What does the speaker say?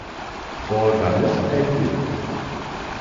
Organist erhielt.